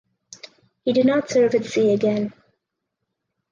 He did not serve at sea again.